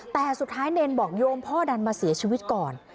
แต่สุดท้ายเนรบอกโยมพ่อดันมาเสียชีวิตก่อน